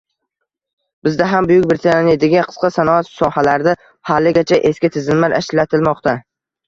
Bizda ham Buyuk Britaniyadagi qisqa sanoat sohalarida haligacha eski tizimlar ishlatilmoqda.